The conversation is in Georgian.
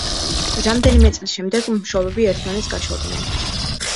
რამდენიმე წლის შემდეგ მშობლები ერთმანეთს გაშორდნენ.